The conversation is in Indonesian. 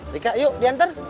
rika yuk diantar